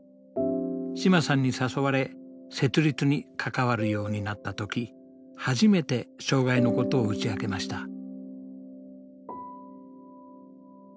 嶋さんに誘われ設立に関わるようになった時初めて障害のことを打ち明けました。